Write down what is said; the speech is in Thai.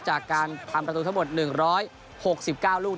จากการทำประตูทั้งหมด๑๖๙ลูก